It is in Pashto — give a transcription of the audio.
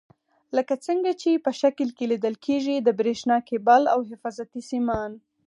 لکه څنګه چې په شکل کې لیدل کېږي د برېښنا کیبل او حفاظتي سیمان.